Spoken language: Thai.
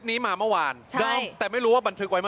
พี่รู้สึกอะไรรู้ไหมอะไรพันทีได้ยิน